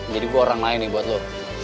jadi gue orang lain nih buat lo